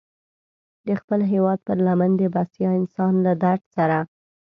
د خپل هېواد پر لمن د بسیا انسان له درد سره.